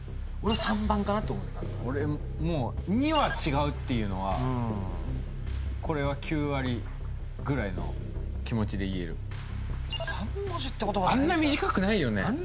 俺３番かなって思った俺も２は違うっていうのはうんこれは９割ぐらいの気持ちで言える３文字ってことはあんな短くないよね